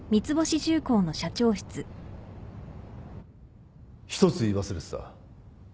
一つ言い忘れてた